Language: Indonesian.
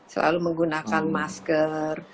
selalu menggunakan masker